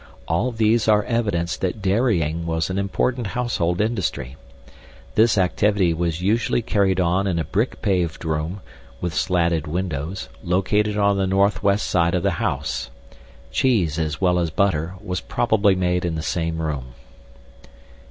All these are evidence that dairying was an important household industry. This activity was usually carried on in a brick paved room (with slatted windows) located on the northwest side of the house. Cheese, as well as butter, was probably made in the same room.